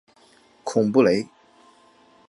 孔布雷。